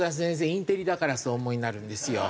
インテリだからそうお思いになるんですよ。